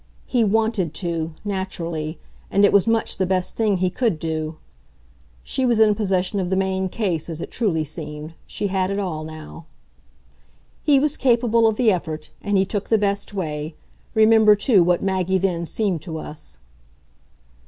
"He WANTED to, naturally and it was much the best thing he could do." She was in possession of the main case, as it truly seemed; she had it all now. "He was capable of the effort, and he took the best way. Remember too what Maggie then seemed to us."